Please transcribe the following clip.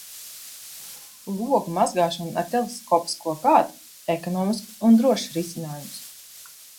Logu mazgāšana ar teleskopisko kātu – ekonomisks un drošs risinājums.